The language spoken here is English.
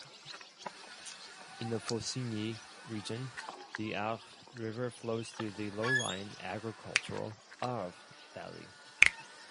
In the Faucigny region, the Arve River flows through the low-lying, agricultural Arve Valley.